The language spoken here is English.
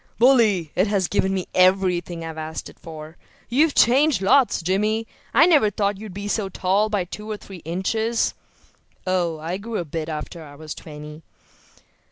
"Bully; it has given me everything I asked it for. You've changed lots, Jimmy. I never thought you were so tall by two or three inches." "Oh, I grew a bit after I was twenty."